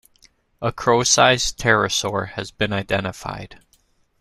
A crow-sized pterosaur has been identified.